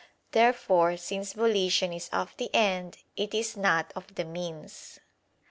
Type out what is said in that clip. Therefore, since volition is of the end, it is not of the means.